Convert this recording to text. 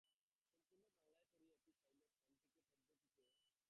সম্পূর্ণ বাংলায় তৈরি অ্যাপটি চাইলে ফোনেটিক পদ্ধতিতে ইংরেজিতে অনুসন্ধান করা যাবে।